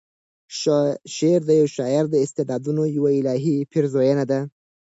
شعر د یوه شاعر د استعدادونو یوه الهې پیرزویَنه ده.